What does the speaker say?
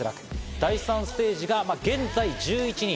第３ステージが現在１１人。